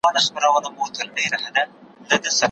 سبا ته یې مه پریږدئ.